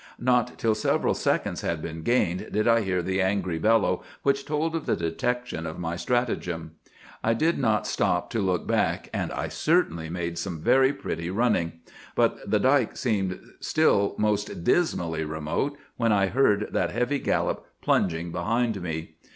"Not till several seconds had been gained did I hear the angry bellow which told of the detection of my stratagem. I did not stop to look back, and I certainly made some very pretty running; but the dike seemed still most dismally remote when I heard that heavy gallop plunging behind me.